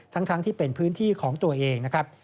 ทั้งที่เป็นพื้นที่ของตัวเองนะครับ